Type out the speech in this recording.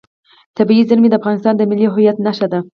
طبیعي زیرمې د افغانستان د ملي هویت نښه ده.